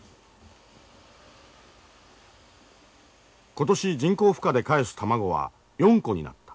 今年人工孵化でかえす卵は４個になった。